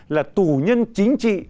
là tù nhân chính trị